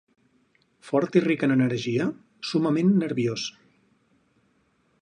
Fort i ric en energia, summament nerviós.